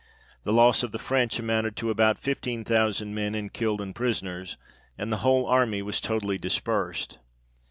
The loss of the French amounted to about fifteen thousand men, in killed and prisoners, and the whole army was totally dispersed.